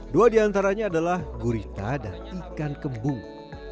dua di antaranya adalah gurita dan ikan kembung